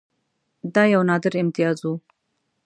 دا یو نادر امتیاز وو.